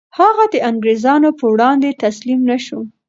هغه د انګریزانو په وړاندې تسلیم نه شو.